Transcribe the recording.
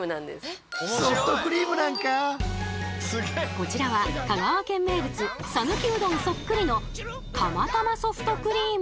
こちらは香川県名物さぬきうどんそっくりのかまたまソフトクリーム。